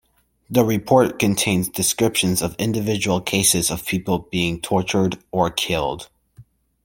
The report contains descriptions of individual cases of people being tortured or killed.